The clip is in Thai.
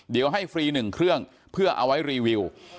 เดี๋ยวให้ฟรี๑เครื่องเพื่อเอาไว้รีวิว